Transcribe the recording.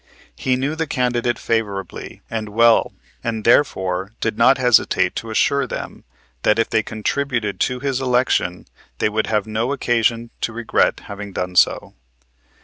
He knew the candidate favorably and well and therefore did not hesitate to assure them that if they contributed to his election they would have no occasion to regret having done so.